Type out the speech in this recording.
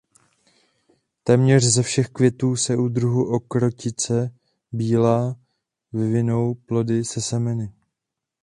Téměř ze všech květů se u druhu okrotice bílá vyvinou plody se semeny.